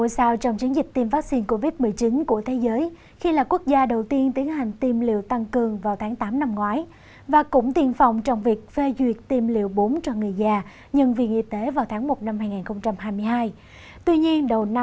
các bạn hãy đăng ký kênh để ủng hộ kênh của chúng mình nhé